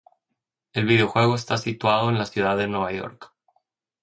El videojuego está situado en la Ciudad de Nueva York.